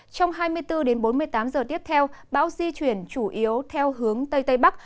trong hai mươi bốn đến bốn mươi tám giờ tiếp theo bão di chuyển chủ yếu theo hướng tây tây bắc